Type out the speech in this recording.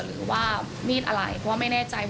หรือว่ามีดอะไรเพราะว่าไม่แน่ใจ